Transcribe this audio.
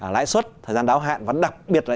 lãi suất thời gian đáo hạn vẫn đặc biệt là